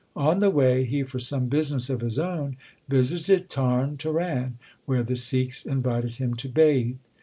On the way he for some business of his own visited Tarn Taran, where the Sikhs invited him to bathe.